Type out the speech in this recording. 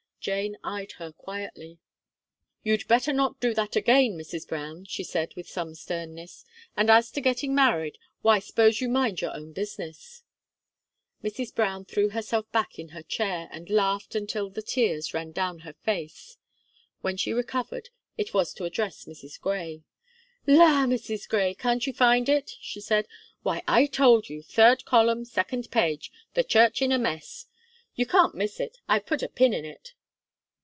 Jane eyed her quietly. "You'd better not do that again, Mrs. Brown," she said, with some sternness, "and as to getting married: why, s'pose you mind your own business!" Mrs. Brown threw herself back in her chair, and laughed until the tears ran down her face. When she recovered, it was to address Mrs. Gray. "La, Mrs. Gray! can't you find it?" she said. "Why, I told you, third column, second page, 'The Church in a Mess.' You can't miss. I have put a pin in it."